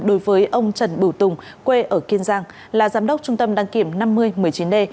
đối với ông trần bửu tùng quê ở kiên giang là giám đốc trung tâm đăng kiểm năm mươi một mươi chín d